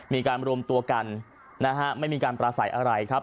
มีการรวมตัวกันนะฮะไม่มีการปราศัยอะไรครับ